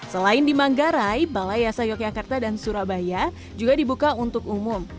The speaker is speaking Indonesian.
selain di manggarai balai yasa yogyakarta dan surabaya juga dibuka untuk umum